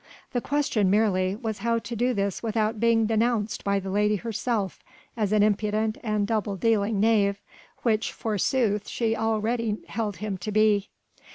The question merely was how to do this without being denounced by the lady herself as an impudent and double dealing knave, which forsooth she already held him to be.